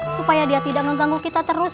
supaya dia tidak mengganggu kita terus